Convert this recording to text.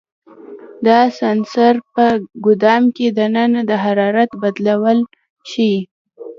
دا سنسر په ګدام کې دننه د حرارت بدلون ښيي.